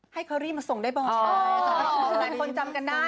ให้เขารีมมาส่งได้บ้าง